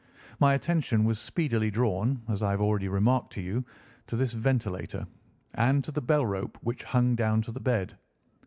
My attention was speedily drawn, as I have already remarked to you, to this ventilator, and to the bell rope which hung down to the bed.